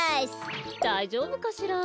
だいじょうぶかしら？